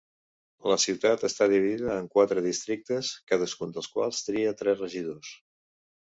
La ciutat està dividida en quatre districtes, cadascun dels quals tria tres regidors.